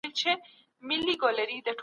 سياستپوهنه د ټولنيزو اړيکو لارښوونه کوي.